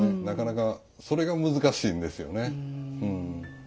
なかなかそれが難しいんですよねうん。